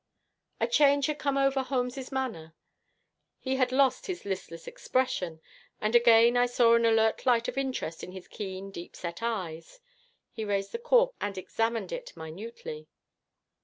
A change had come over Holmes's manner. He had lost his listless expression, and again I saw an alert light of interest in his keen, deepset eyes. He raised the cork and examined it minutely.